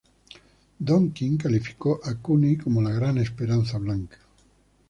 Don King calificó a Cooney como "La gran esperanza blanca".